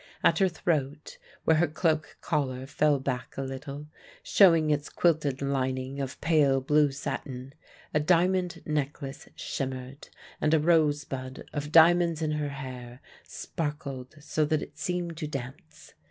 At her throat, where her cloak collar fell back a little, showing its quilted lining of pale blue satin, a diamond necklace shimmered, and a rosebud of diamonds in her hair sparkled so that it seemed to dance.